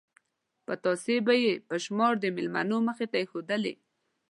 پتاسې به یې په شمار د مېلمنو مخې ته ایښودلې.